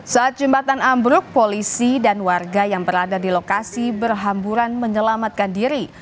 saat jembatan ambruk polisi dan warga yang berada di lokasi berhamburan menyelamatkan diri